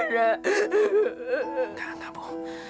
enggak enggak bu